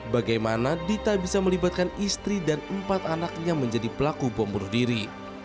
bagaimana dita bisa melibatkan istri dan empat anaknya menjadi pelaku bom bunuh diri